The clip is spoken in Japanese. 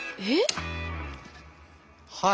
はい。